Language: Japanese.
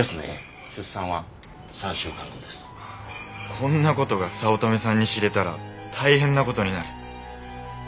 こんな事が早乙女さんに知れたら大変な事になる。